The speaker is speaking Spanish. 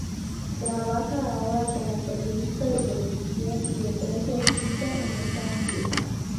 Trabaja ahora como periodista de televisión y de prensa escrita en Los Ángeles.